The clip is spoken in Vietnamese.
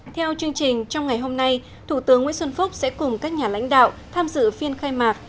theo chương trình trong ngày hôm nay thủ tướng nguyễn xuân phúc sẽ cùng các nhà lãnh đạo tham dự phiên khai mạc